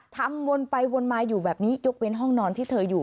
วนไปวนมาอยู่แบบนี้ยกเว้นห้องนอนที่เธออยู่